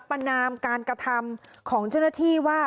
ประนามการกระทำของเจ้าหน้าที่ว่า